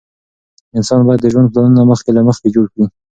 انسان باید د ژوند پلانونه مخکې له مخکې جوړ کړي.